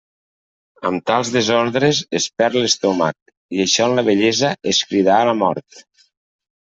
Amb tals desordres es perd l'estómac, i això en la vellesa és cridar a la mort.